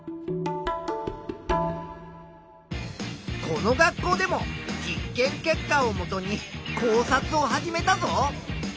この学校でも実験結果をもとに考察を始めたぞ。